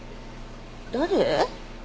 誰？